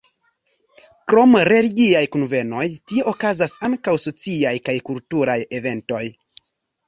Krom religiaj kunvenoj, tie okazas ankaŭ sociaj kaj kulturaj eventoj.